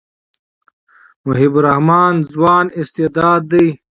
مجيب الرحمن ځوان استعداد دئ.